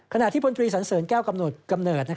ขณะที่พลตรีสันเสริญแก้วกำเนิด